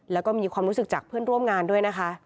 แล้วก็มีความรู้สึกจากเพื่อนร่วมงานด้วยนะคะ